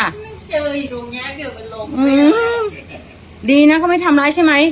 เจออยู่ลุงยามเดี๋ยวมันลงไปดีน่ะก็ไม่ทำร้ายใช่ไหม